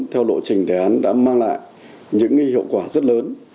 theo lộ trình đề án đã mang lại những hiệu quả rất lớn